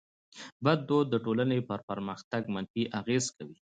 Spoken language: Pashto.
بد دود د ټټولني پر پرمختګ منفي اغېز کوي.